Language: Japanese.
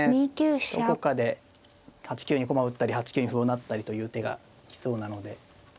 どこかで８九に駒を打ったり８九に歩を成ったりという手が来そうなので。